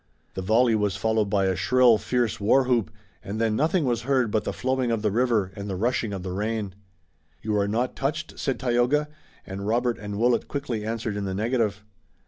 The volley was followed by a shrill, fierce war whoop, and then nothing was heard but the flowing of the river and the rushing of the rain. "You are not touched?" said Tayoga, and Robert and Willet quickly answered in the negative.